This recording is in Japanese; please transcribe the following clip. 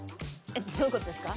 どういう事ですか？